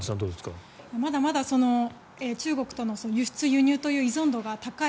まだまだ中国との輸出・輸入という依存度が高い